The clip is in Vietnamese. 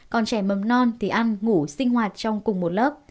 còn trẻ mầm non thì ăn ngủ sinh hoạt trong cùng một lớp